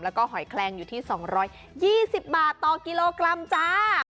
แล้วก็หอยแคลงอยู่ที่๒๒๐บาทต่อกิโลกรัมจ้า